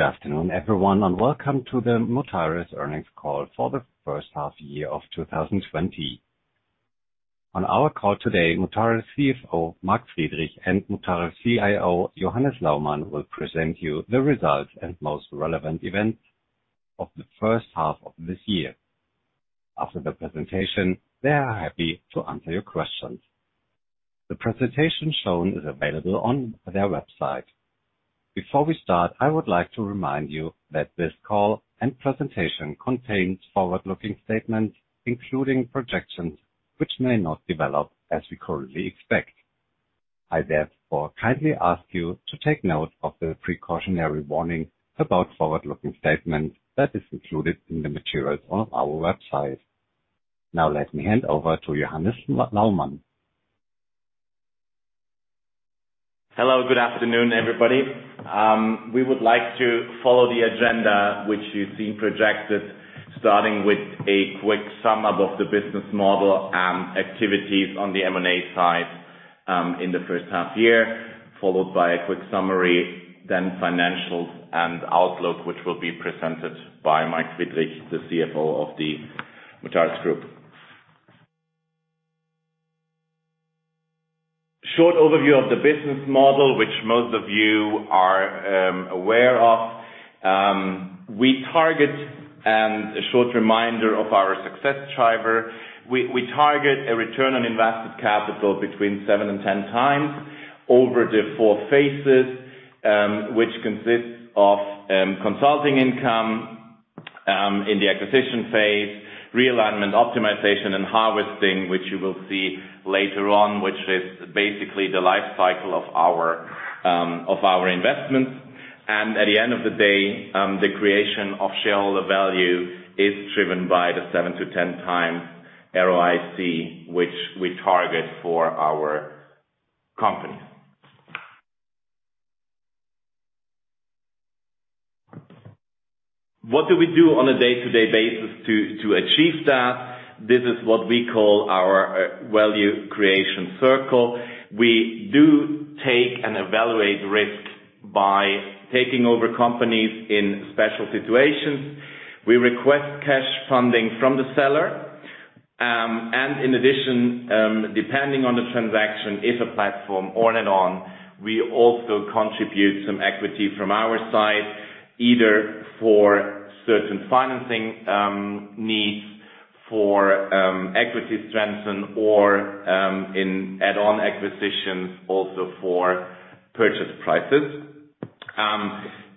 Good afternoon, everyone, and welcome to the Mutares earnings call for the first half year of 2020. On our call today, Mutares CFO Mark Friedrich and Mutares CIO Johannes Laumann will present you the results and most relevant events of the first half of this year. After the presentation, they are happy to answer your questions. The presentation shown is available on their website. Before we start, I would like to remind you that this call and presentation contains forward-looking statements, including projections, which may not develop as we currently expect. I therefore kindly ask you to take note of the precautionary warning about forward-looking statements that is included in the materials on our website. Let me hand over to Johannes Laumann. Hello. Good afternoon, everybody. We would like to follow the agenda, which you see projected, starting with a quick sum up of the business model and activities on the M&A side in the first half year, followed by a quick summary, then financials and outlook, which will be presented by Mark Friedrich, the CFO of the Mutares Group. Short overview of the business model, which most of you are aware of. A short reminder of our success driver. We target a return on invested capital between 7x and 10x over the four phases, which consists of consulting income in the acquisition phase, realignment, optimization, and harvesting, which you will see later on, which is basically the life cycle of our investments. At the end of the day, the creation of shareholder value is driven by the 7x to 10x ROIC, which we target for our company. What do we do on a day-to-day basis to achieve that? This is what we call our value creation circle. We do take and evaluate risk by taking over companies in special situations. We request cash funding from the seller. In addition, depending on the transaction, if a platform add-on, we also contribute some equity from our side, either for certain financing needs for equity strengthen or in add-on acquisitions, also for purchase prices.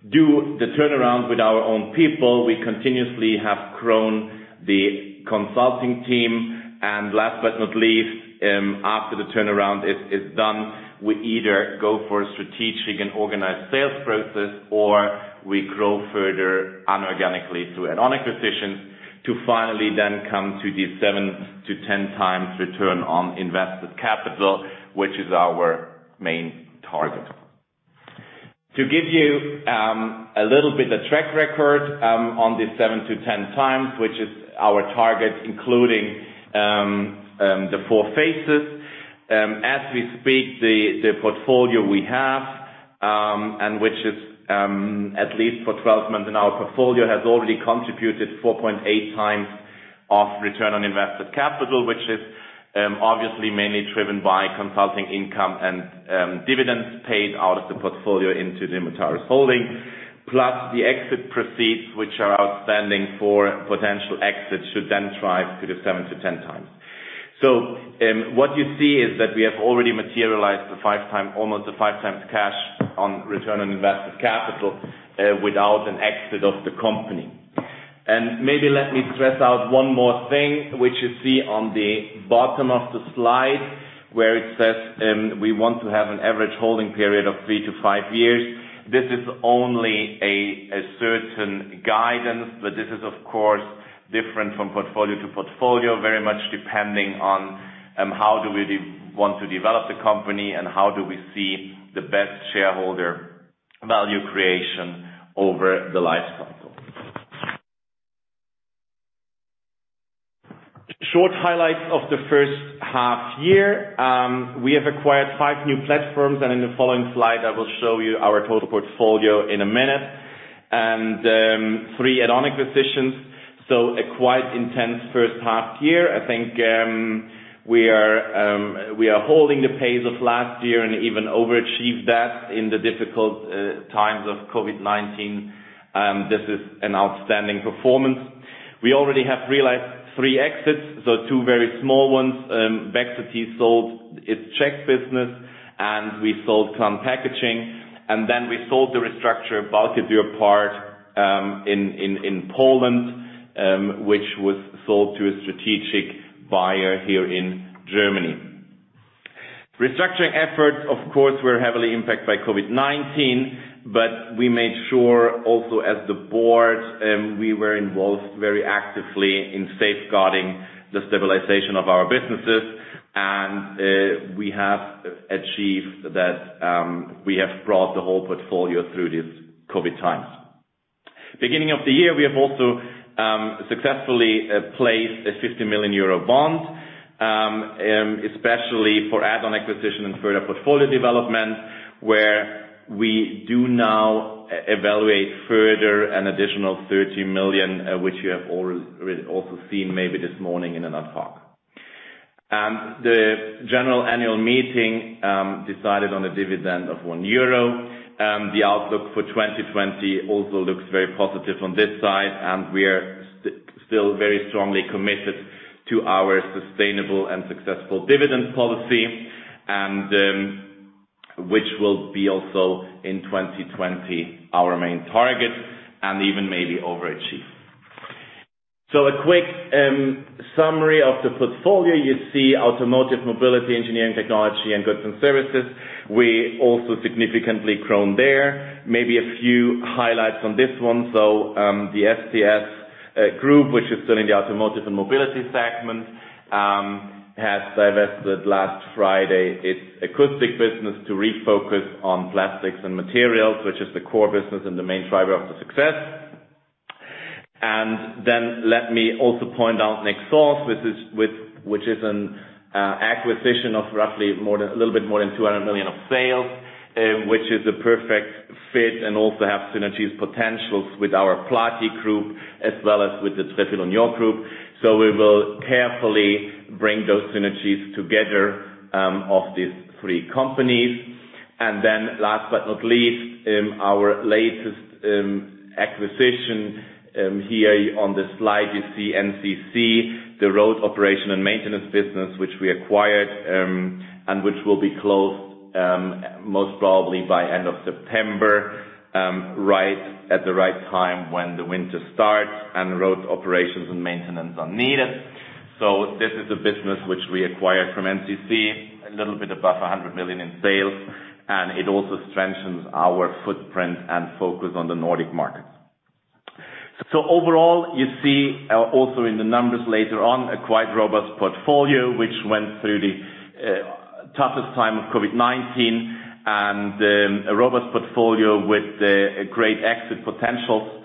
Do the turnaround with our own people. We continuously have grown the consulting team. Last but not least, after the turnaround is done, we either go for a strategic and organized sales process, or we grow further inorganically through add-on acquisitions to finally then come to the 7x to 10x return on invested capital, which is our main target. To give you a little bit of track record on the 7x to 10x, which is our target, including the four phases. As we speak, the portfolio we have, and which is at least for 12 months in our portfolio, has already contributed 4.8x of return on invested capital, which is obviously mainly driven by consulting income and dividends paid out of the portfolio into the Mutares holding, plus the exit proceeds, which are outstanding for potential exits should then drive to the 7x to 10x. What you see is that we have already materialized almost a 5x cash on return on invested capital without an exit of the company. Maybe let me stress out one more thing, which you see on the bottom of the slide, where it says we want to have an average holding period of three to five years. This is only a certain guidance, but this is of course different from portfolio to portfolio, very much depending on how do we want to develop the company and how do we see the best shareholder value creation over the life cycle. Short highlights of the first half year. We have acquired five new platforms, and in the following slide, I will show you our total portfolio in a minute and three add-on acquisitions. A quite intense first half year. I think we are holding the pace of last year and even overachieved that in the difficult times of COVID-19. This is an outstanding performance. We already have realized three exits, so two very small ones. BEXity sold its Czech business, and we sold KLANN Packaging, and then we sold the restructured Balcke-Dürr part in Poland, which was sold to a strategic buyer here in Germany. Restructuring efforts, of course, were heavily impacted by COVID-19, but we made sure also as the board, we were involved very actively in safeguarding the stabilization of our businesses. We have achieved that. We have brought the whole portfolio through these COVID times. Beginning of the year, we have also successfully placed a 50 million euro bond, especially for add-on acquisition and further portfolio development, where we do now evaluate further an additional 30 million, which you have also seen maybe this morning in an ad hoc. The general annual meeting decided on a dividend of 1 euro. The outlook for 2020 also looks very positive on this side, and we are still very strongly committed to our sustainable and successful dividend policy, and which will be also in 2020 our main target, and even maybe overachieve. A quick summary of the portfolio. You see Automotive & Mobility, Engineering & Technology, and Goods & Services. We also significantly grown there. Maybe a few highlights on this one, though. The SFC Group, which is still in the Automotive & Mobility segment, has divested last Friday its acoustic business to refocus on plastics and materials, which is the core business and the main driver of the success. Let me also point out Nexans, which is an acquisition of roughly a little bit more than 200 million in sales, which is a perfect fit and also have synergies potentials with our Plati Group as well as with the TrefilUnion Group. We will carefully bring those synergies together of these three companies. Last but not least, our latest acquisition here on the slide, you see NCC, the road operation and maintenance business, which we acquired, and which will be closed most probably by end of September, right at the right time when the winter starts and road operations and maintenance are needed. This is a business which we acquired from NCC, a little bit above 100 million in sales, and it also strengthens our footprint and focus on the Nordic markets. Overall, you see also in the numbers later on a quite robust portfolio, which went through the toughest time of COVID-19 and a robust portfolio with great exit potentials.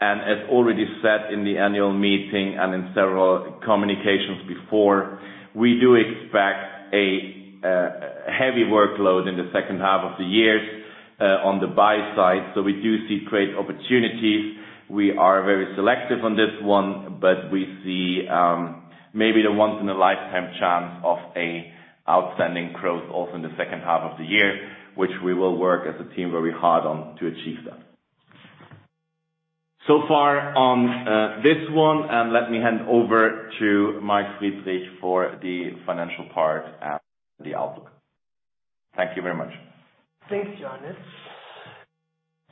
As already said in the annual meeting and in several communications before, we do expect a heavy workload in the second half of the year on the buy side. We do see great opportunities. We are very selective on this one, but we see maybe the once in a lifetime chance of a outstanding growth also in the second half of the year, which we will work as a team very hard on to achieve that. So far on this one, let me hand over to Mark Friedrich for the financial part and the outlook. Thank you very much. Thanks,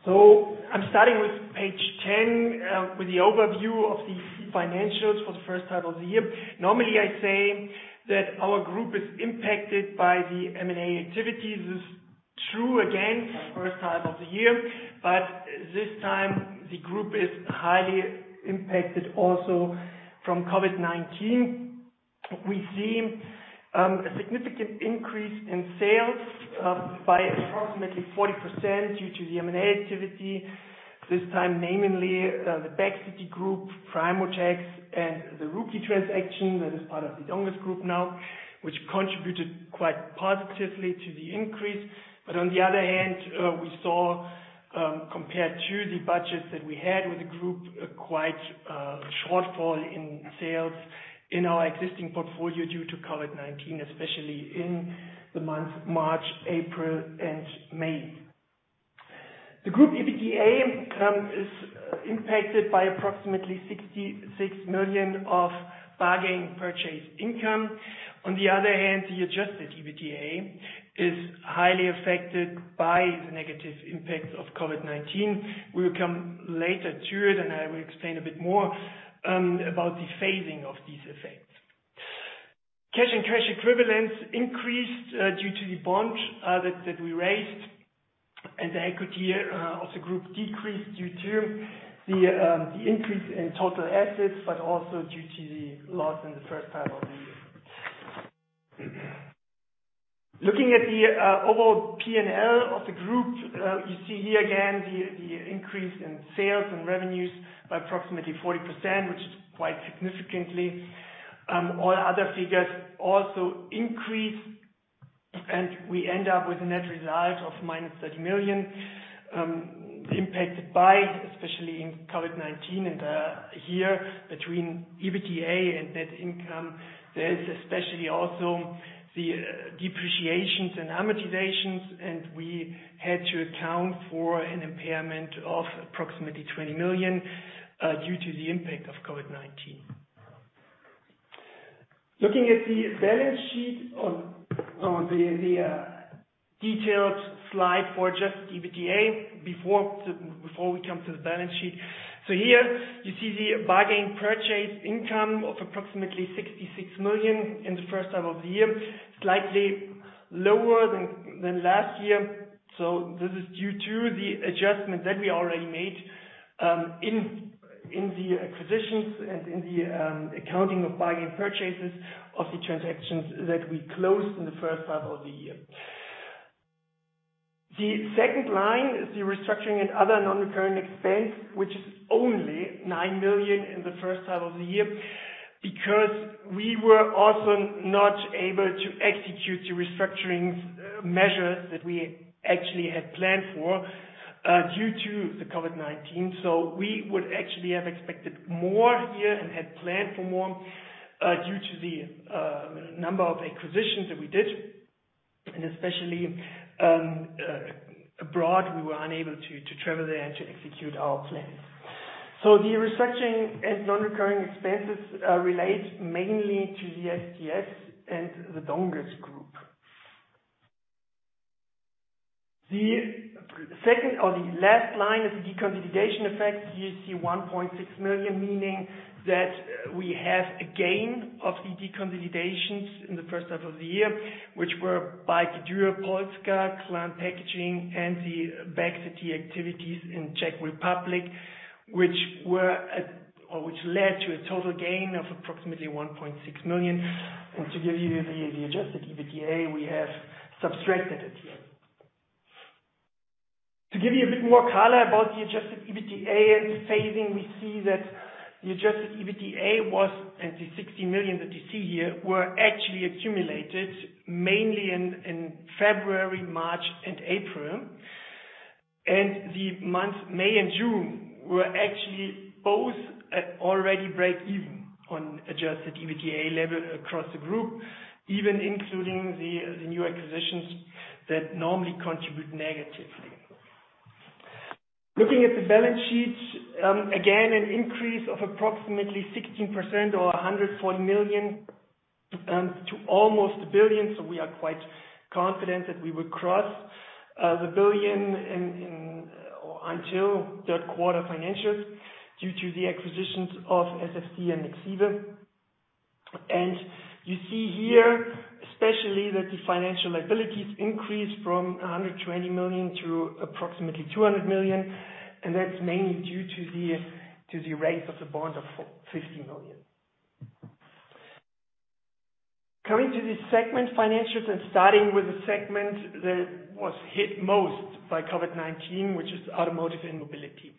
Johannes. I'm starting with page 10 with the overview of the financials for the first half of the year. Normally, I say that our Group is impacted by the M&A activities. This is true again for the first half of the year, but this time the Group is highly impacted also from COVID-19. We see a significant increase in sales by approximately 40% due to the M&A activity. This time, namely the BEXity Group, PrimoTECS, and the Ruukki transaction that is part of the Donges Group now, which contributed quite positively to the increase. On the other hand, we saw, compared to the budgets that we had with the Group, quite a shortfall in sales in our existing portfolio due to COVID-19, especially in the months March, April, and May. The Group EBITDA is impacted by approximately 66 million of bargain purchase income. On the other hand, the adjusted EBITDA is highly affected by the negative impacts of COVID-19. We will come later to it, and I will explain a bit more about the phasing of these effects. Cash and cash equivalents increased due to the bond that we raised, and the equity of the Group decreased due to the increase in total assets, but also due to the loss in the first half of the year. Looking at the overall P&L of the Group, you see here again the increase in sales and revenues by approximately 40%, which is quite significantly. All other figures also increased, and we end up with a net result of -30 million, impacted by, especially in COVID-19 and here between EBITDA and net income. There is especially also the depreciation and amortization, and we had to account for an impairment of approximately 20 million due to the impact of COVID-19. Looking at the balance sheet on the detailed slide for just EBITDA, before we come to the balance sheet. Here you see the bargain purchase income of approximately 66 million in the first half of the year, slightly lower than last year. This is due to the adjustments that we already made in the acquisitions and in the accounting of bargain purchases of the transactions that we closed in the first half of the year. The second line is the restructuring and other non-recurring expense, which is only 9 million in the first half of the year, because we were also not able to execute the restructuring measures that we actually had planned for, due to the COVID-19. We would actually have expected more here and had planned for more, due to the number of acquisitions that we did. Especially abroad, we were unable to travel there to execute our plans. The restructuring and non-recurring expenses relate mainly to the STS and the Donges Group. The second or the last line is the deconsolidation effect. Here you see 1.6 million, meaning that we have a gain of the deconsolidations in the first half of the year, which were by Balcke-Dürr Polska, KLANN Packaging, and the BEXity activities in Czech Republic, which led to a total gain of approximately 1.6 million. To give you the adjusted EBITDA, we have subtracted it here. To give you a bit more color about the adjusted EBITDA and the phasing, we see that the adjusted EBITDA was, and the 16 million that you see here, were actually accumulated mainly in February, March, and April. The months May and June were actually both at already break even on adjusted EBITDA level across the Group, even including the new acquisitions that normally contribute negatively. Looking at the balance sheet, again, an increase of approximately 16% or 140 million to almost 1 billion. We are quite confident that we will cross the 1 billion until third quarter financials due to the acquisitions of SFC and Nexive. You see here, especially that the financial liabilities increased from 120 million to approximately 200 million, and that's mainly due to the raise of the bond of 50 million. Coming to the segment financials, starting with the segment that was hit most by COVID-19, which is Automotive & Mobility.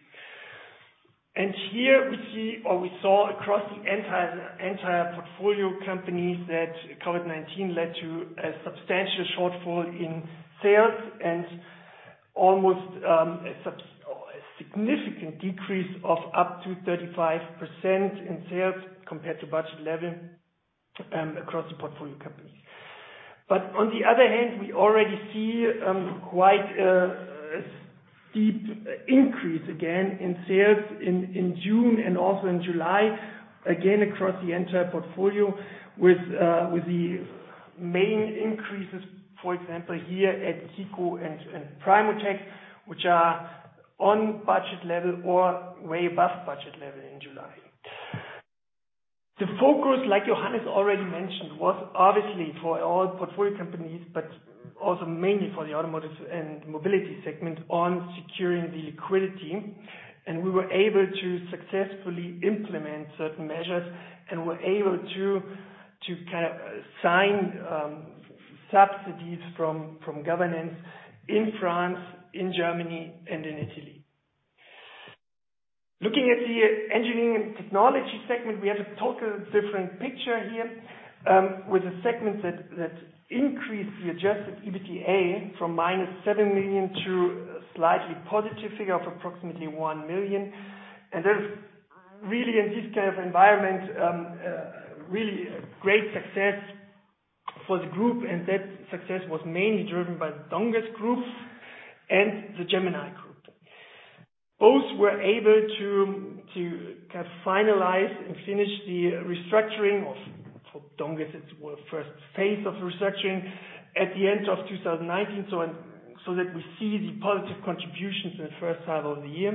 Here we see or we saw across the entire portfolio companies, that COVID-19 led to a substantial shortfall in sales and almost a significant decrease of up to 35% in sales compared to budget level across the portfolio companies. On the other hand, we already see quite a steep increase again in sales in June and also in July, again, across the entire portfolio with the main increases, for example, here at KICO and PrimoTECS, which are on budget level or way above budget level in July. The focus, like Johannes already mentioned, was obviously for all portfolio companies, but also mainly for the Automotive & Mobility segment on securing the liquidity, and we were able to successfully implement certain measures and were able to sign subsidies from governance in France, in Germany, and in Italy. Looking at the Engineering & Technology segment, we have a totally different picture here, with a segment that increased the adjusted EBITDA from -7 million to a slightly positive figure of approximately 1 million. That is really, in this kind of environment, a really great success for the Group, and that success was mainly driven by the Donges Group and the Gemini Group. Both were able to finalize and finish the restructuring, or for Donges it was the first phase of restructuring, at the end of 2019, that we see the positive contributions in the first half of the year.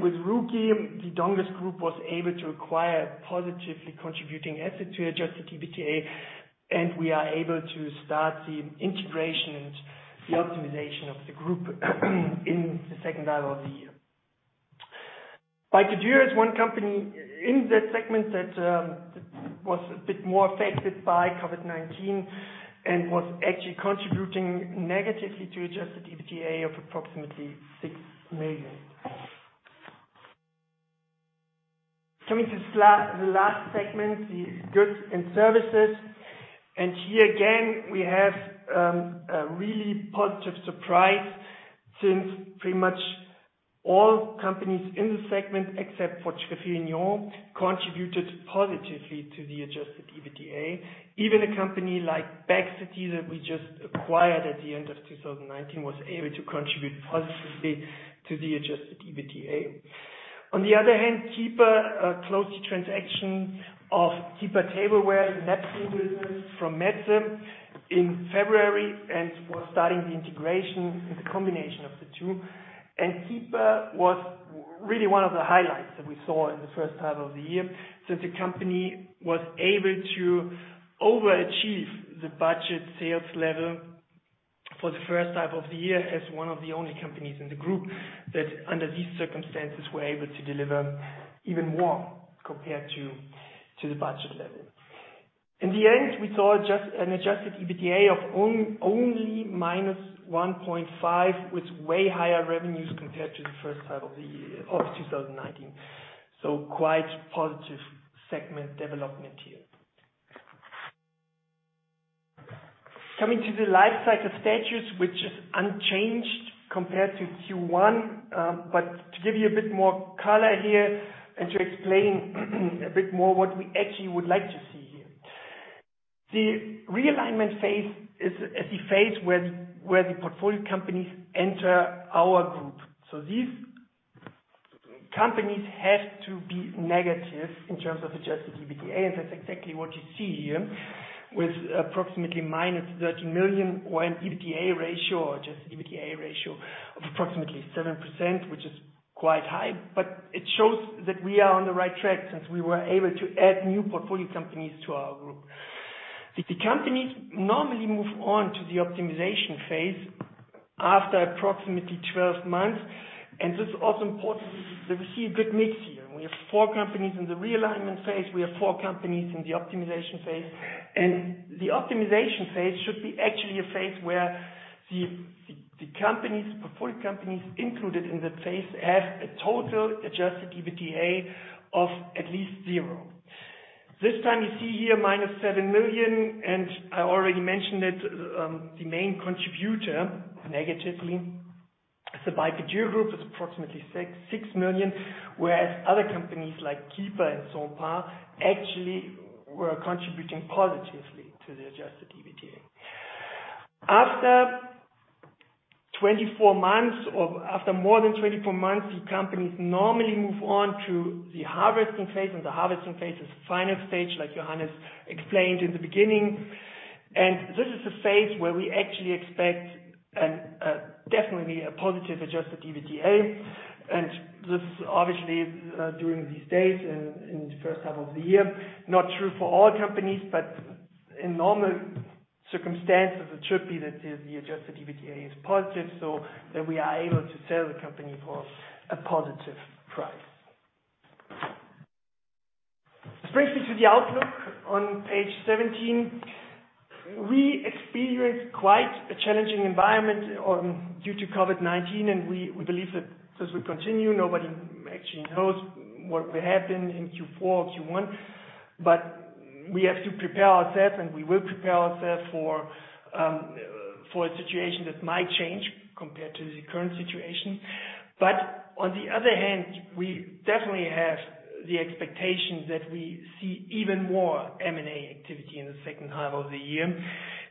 With Ruukki, the Donges Group was able to acquire a positively contributing asset to adjusted EBITDA, we are able to start the integration and the optimization of the Group in the second half of the year. Balcke-Dürr is one company in that segment that was a bit more affected by COVID-19 and was actually contributing negatively to adjusted EBITDA of approximately EUR 6 million. Coming to the last segment, the Goods & Services. Here again, we have a really positive surprise since pretty much all companies in the segment, except for TrefilUnion, contributed positively to the adjusted EBITDA. Even a company like BEXity that we just acquired at the end of 2019 was able to contribute positively to the adjusted EBITDA. On the other hand, keeeper closed the transaction of keeeper Tableware and napkin business from Metsä in February and was starting the integration with the combination of the two. keeeper was really one of the highlights that we saw in the first half of the year, since the company was able to overachieve the budget sales level for the first half of the year as one of the only companies in the Group that, under these circumstances, were able to deliver even more compared to the budget level. In the end, we saw an adjusted EBITDA of only -1.5, with way higher revenues compared to the first half of 2019. Quite positive segment development here. Coming to the life cycle status, which is unchanged compared to Q1. To give you a bit more color here and to explain a bit more what we actually would like to see here. The realignment phase is the phase where the portfolio companies enter our Group. These companies have to be negative in terms of adjusted EBITDA, and that's exactly what you see here with approximately minus 13 million or an EBITDA ratio of approximately 7%, which is quite high. It shows that we are on the right track since we were able to add new portfolio companies to our Group. The companies normally move on to the optimization phase after approximately 12 months, and this is also important that we see a good mix here. We have four companies in the realignment phase. We have four companies in the optimization phase. The optimization phase should be actually a phase where the portfolio companies included in that phase have a total adjusted EBITDA of at least zero. This time you see here -7 million, and I already mentioned it, the main contributor negatively is the Balcke-Dürr Group. It's approximately 6 million, whereas other companies like keeeper and Cenpa actually were contributing positively to the adjusted EBITDA. After 24 months, or after more than 24 months, the companies normally move on to the harvesting phase, and the harvesting phase is the final stage, like Johannes explained in the beginning. This is the phase where we actually expect definitely a positive adjusted EBITDA, and this obviously, during these days in the first half of the year, not true for all companies, but in normal circumstances, it should be that the adjusted EBITDA is positive, so that we are able to sell the company for a positive price. This brings me to the outlook on page 17. We experienced quite a challenging environment due to COVID-19, and we believe that this will continue. Nobody actually knows what will happen in Q4 or Q1, but we have to prepare ourselves, and we will prepare ourselves for a situation that might change compared to the current situation. on the other hand, we definitely have the expectation that we see even more M&A activity in the second half of the year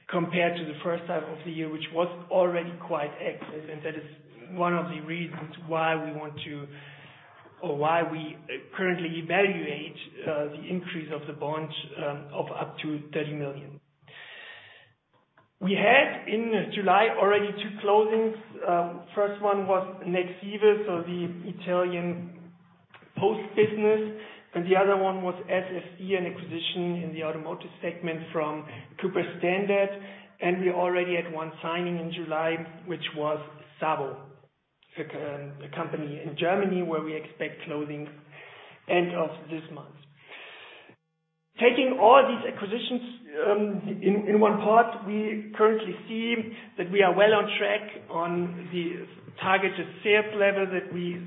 compared to the first half of the year, which was already quite active, and that is one of the reasons why we want to or why we currently evaluate the increase of the bond of up to 30 million. We had, in July, already two closings. First one was Nexive, so the Italian post business, and the other one was SFC, an acquisition in the Automotive segment from Cooper Standard. We already had one signing in July, which was SABO, a company in Germany where we expect closing end of this month. Taking all these acquisitions in one part, we currently see that we are well on track on the targeted sales level that we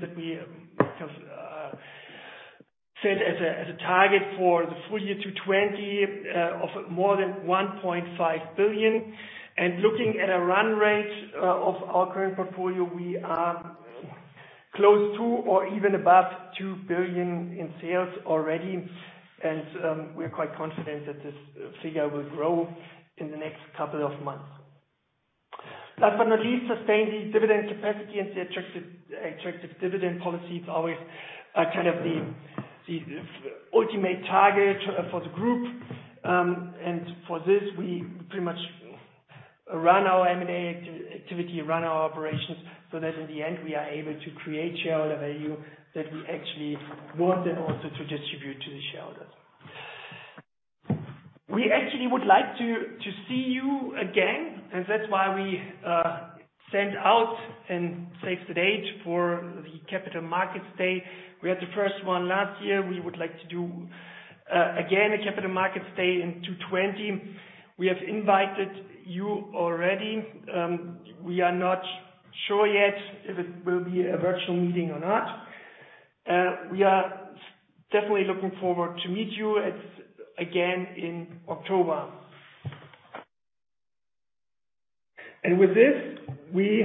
set as a target for the full year 2020 of more than 1.5 billion. Looking at a run rate of our current portfolio, we are close to or even above 2 billion in sales already. We're quite confident that this figure will grow in the next couple of months. Last but not least, sustained dividend capacity and the attractive dividend policy is always the ultimate target for the Group. For this, we pretty much run our M&A activity, run our operations, so that in the end we are able to create shareholder value that we actually want and also to distribute to the shareholders. We actually would like to see you again, and that's why we sent out and saved the date for the Capital Markets Day. We had the first one last year. We would like to do again a Capital Markets Day in 2020. We have invited you already. We are not sure yet if it will be a virtual meeting or not. We are definitely looking forward to meet you again in October. With this, we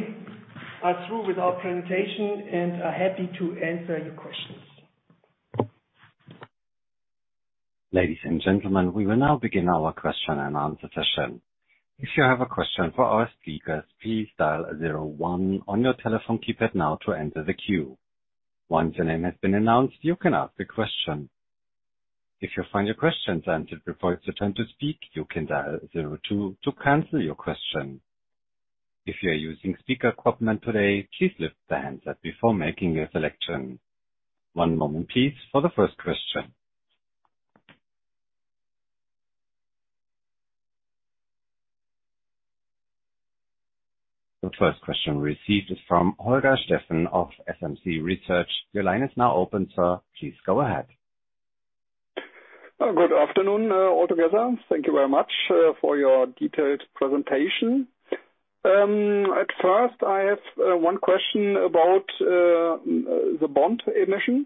are through with our presentation and are happy to answer your questions. Ladies and gentlemen, we will now begin our question-and-answer session. If you have a question for our speaker, please dial zero one on your telephone keypad now to enter the queue. Once your name has been announced, you can now ask your question. If you find your question to prefer to turn to speak, you can dial zero two to cancel your question. If you are using speakerphone today, please lift the handset before making a selection. One moment, please, for the first question. The first question received is from Holger Steffen of SMC Research. Your line is now open, sir. Please go ahead. Good afternoon all together. Thank you very much for your detailed presentation. At first, I have one question about the bond emission.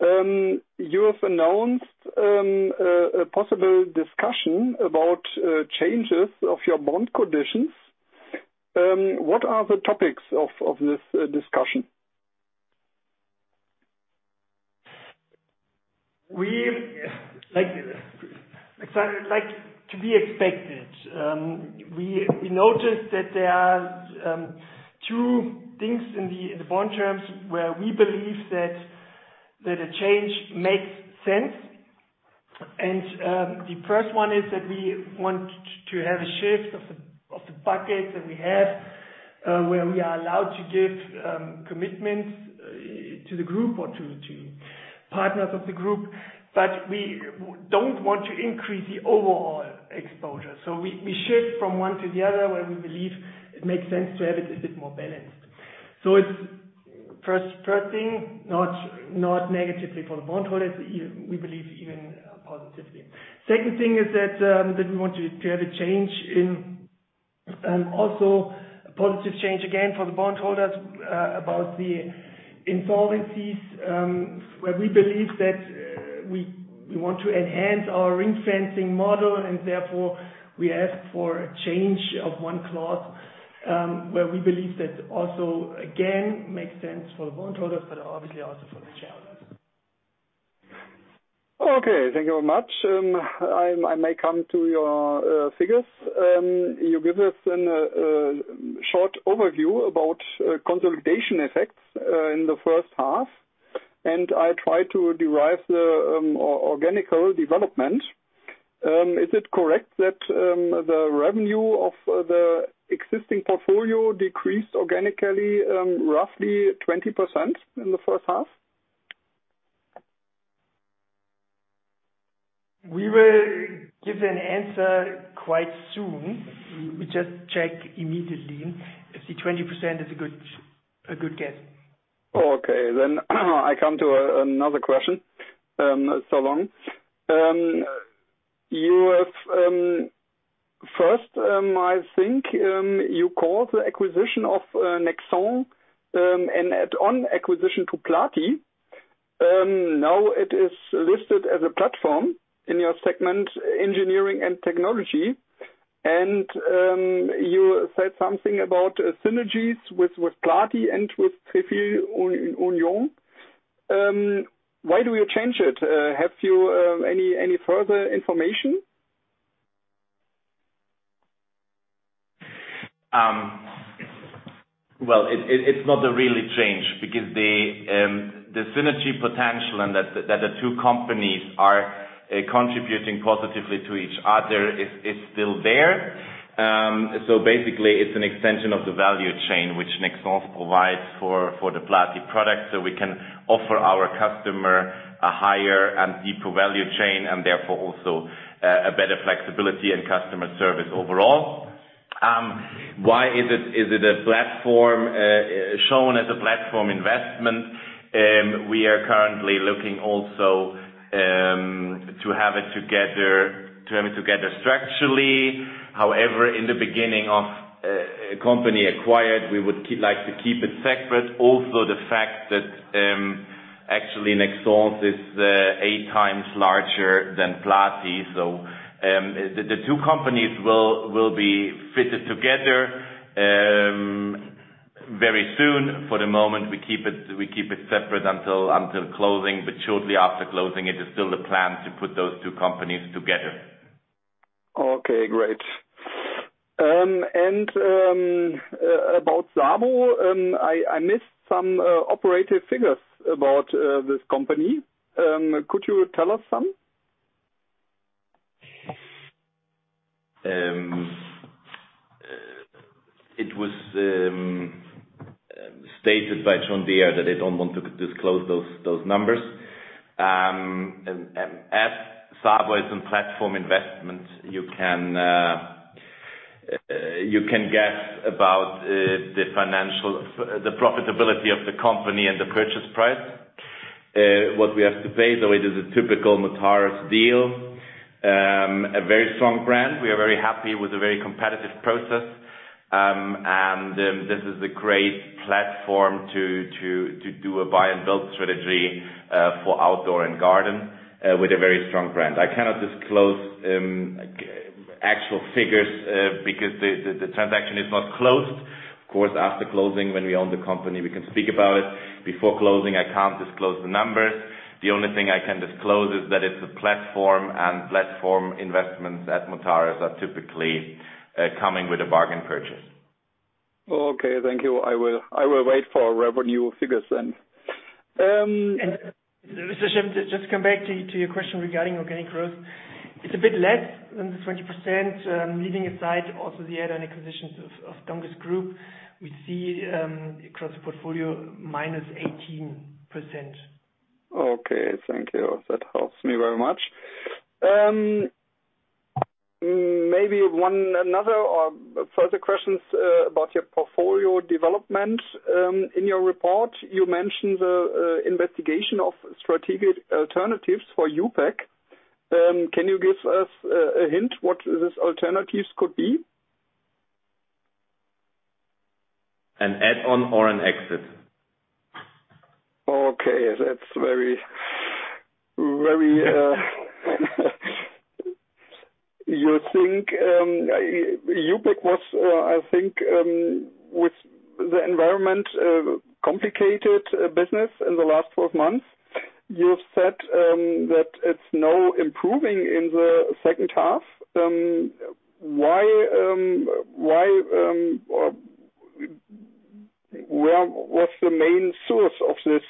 You have announced a possible discussion about changes of your bond conditions. What are the topics of this discussion? To be expected, we noticed that there are two things in the bond terms where we believe that a change makes sense. The first one is that we want to have a shift of the bucket that we have, where we are allowed to give commitments to the Group or to partners of the Group. we don't want to increase the overall exposure, so we shift from one to the other where we believe it makes sense to have it a bit more balanced. First thing, not negatively for the bondholders, we believe even positively. Second thing is that we want to have a change in, also a positive change again for the bondholders, about the insolvencies, where we believe that we want to enhance our ring-fencing model, and therefore we ask for a change of one clause, where we believe that also again, makes sense for the bondholders, but obviously also for the shareholders. Okay. Thank you very much. I may come to your figures. You give us a short overview about consolidation effects in the first half, and I try to derive the organic development. Is it correct that the revenue of the existing portfolio decreased organically by roughly 20% in the first half? We will give an answer quite soon. We just check immediately. I see 20% as a good guess. Okay. I come to another question, so long. First, I think you called the acquisition of Nexans an add-on acquisition to Plati. Now it is listed as a platform in your segment, Engineering & Technology. You said something about synergies with Plati and with TrefilUnion. Why do you change it? Have you any further information? Well, it's not a really change because the synergy potential and that the two companies are contributing positively to each other is still there. basically, it's an extension of the value chain which Nexans provides for the Plati product, so we can offer our customers a higher and deeper value chain, and therefore also a better flexibility and customer service overall. Why is it shown as a platform investment? We are currently looking also to have it together structurally. However, in the beginning of a company acquired, we would like to keep it separate. Also, the fact that actually Nexans is 8x larger than Plati. The two companies will be fitted together very soon. For the moment, we keep it separate until closing, but shortly after closing, it is still the plan to put those two companies together. Okay, great. About SABO, I missed some operative figures about this company. Could you tell us some? It was stated by John Deere that they don't want to disclose those numbers. As SABO is in platform investment, you can guess about the profitability of the company and the purchase price. What we have to pay, though, it is a typical Mutares deal. A very strong brand. We are very happy with the very competitive process. This is a great platform to do a buy-and-build strategy for outdoor and garden with a very strong brand. I cannot disclose actual figures, because the transaction is not closed. Of course, after closing, when we own the company, we can speak about it. Before closing, I can't disclose the numbers. The only thing I can disclose is that it's a platform, and platform investments at Mutares are typically coming with a bargain purchase. Okay, thank you. I will wait for revenue figures then. Mr. Steffen, just to come back to your question regarding organic growth. It's a bit less than the 20%, leaving aside also the add-on acquisitions of Donges Group. We see across the portfolio -18%. Okay, thank you. That helps me very much. Maybe one another or further questions about your portfolio development. In your report, you mentioned the investigation of strategic alternatives for EUPEC. Can you give us a hint what these alternatives could be? An add-on or an exit. Okay, that's very. You think EUPEC was, I think, with the environment, a complicated business in the last 12 months. You've said that it's now improving in the second half. Where was the main source of this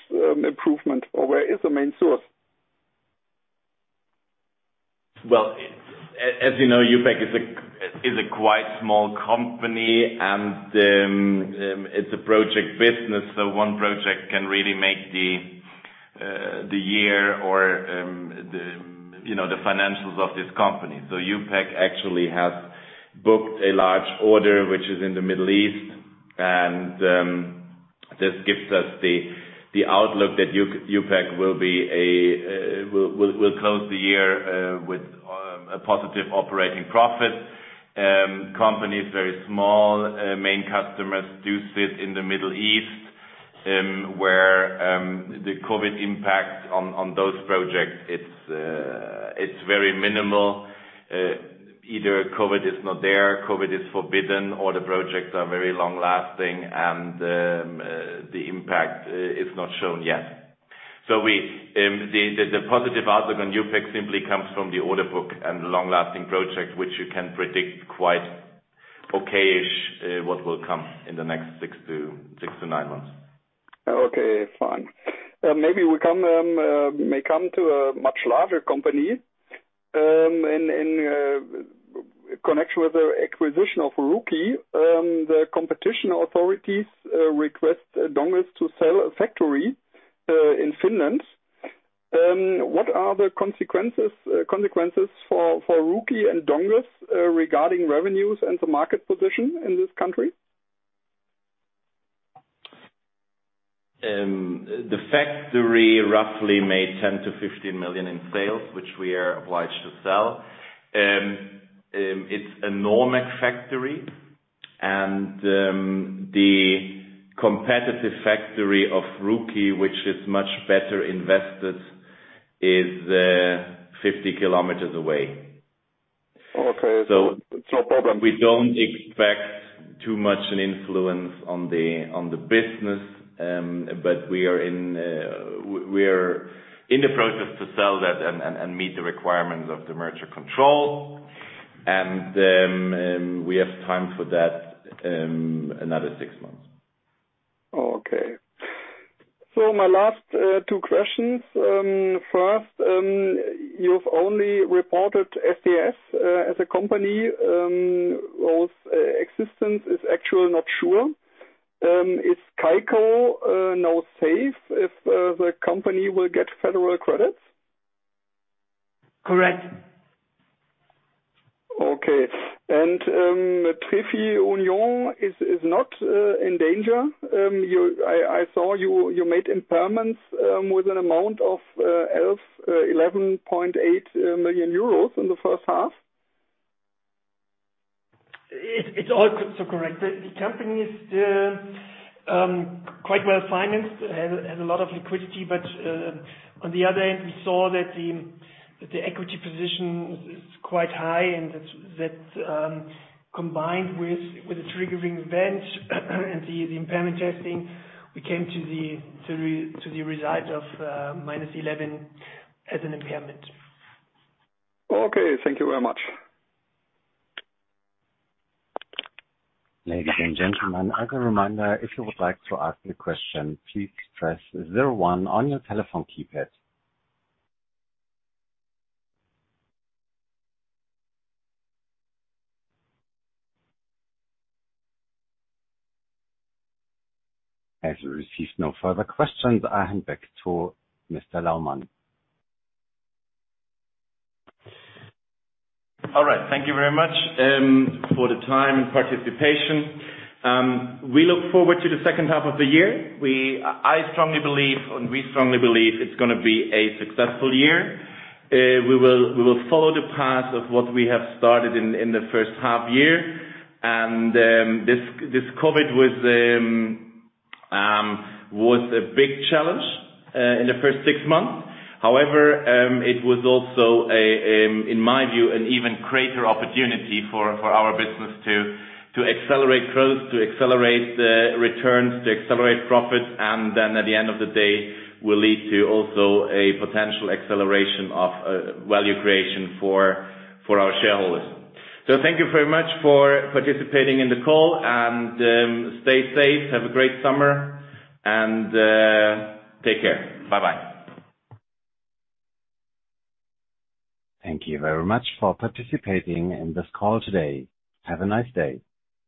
improvement, or where is the main source? Well, as you know, EUPEC is a quite small company and it's a project business, so one project can really make the year or the financials of this company. EUPEC actually has booked a large order, which is in the Middle East, and this gives us the outlook that EUPEC will close the year with a positive operating profit. Company is very small. Main customers do sit in the Middle East, where the COVID impact on those projects, it's very minimal. Either COVID is not there, COVID is forbidden, or the projects are very long-lasting, and the impact is not shown yet. The positive outlook on EUPEC simply comes from the order book and long-lasting project, which you can predict quite okay-ish what will come in the next six to nine months. Okay, fine. Maybe we may come to a much larger company. In connection with the acquisition of Ruukki, the competition authorities request Donges to sell a factory in Finland. What are the consequences for Ruukki and Donges regarding revenues and the market position in this country? The factory roughly made 10 million-15 million in sales, which we are obliged to sell. It's a Normek factory, and the competitive factory of Ruukki, which is much better invested, is 50 km away. Okay. it's no problem. We don't expect too much an influence on the business. we are in the process to sell that and meet the requirements of the merger control. we have time for that, another six months. Okay. My last two questions. First, you've only reported to STS as a company whose existence is actually not sure. Is KICO now safe if the company will get federal credits? Correct. Okay. TrefilUnion is not in danger? I saw you made impairments with an amount of 11.8 million euros in the first half. It's all so correct. The company is quite well-financed, has a lot of liquidity, but on the other end, we saw that the equity position is quite high, and that combined with the triggering event and the impairment testing, we came to the result of -11 as an impairment. Okay. Thank you very much. Ladies and gentlemen, as a reminder, if you would like to ask a question, please press zero one on your telephone keypad. As we receive no further questions, I hand back to Mr. Laumann. All right. Thank you very much for the time and participation. We look forward to the second half of the year. I strongly believe, and we strongly believe it's gonna be a successful year. We will follow the path of what we have started in the first half year. This COVID was a big challenge in the first six months. However, it was also, in my view, an even greater opportunity for our business to accelerate growth, to accelerate the returns, to accelerate profits, and then at the end of the day, will lead to also a potential acceleration of value creation for our shareholders. Thank you very much for participating in the call, and stay safe, have a great summer, and take care. Bye-bye. Thank you very much for participating in this call today. Have a nice day.